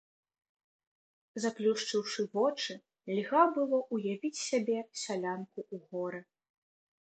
Заплюшчыўшы вочы, льга было ўявіць сабе сялянку ў горы.